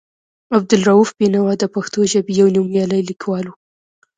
عبدالرؤف بېنوا د پښتو ژبې یو نومیالی لیکوال و.